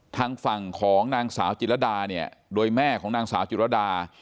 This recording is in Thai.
ทางฝั่งของนางสาวจิรดาเนี่ยโดยแม่ของนางสาวจิรดา